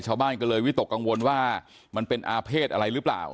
ชาวบ้านก็เลยวิตกกังวลว่ามันเป็นอาเภษอะไรหรือเปล่า